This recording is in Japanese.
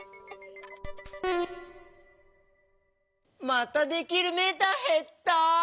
またできるメーターへった。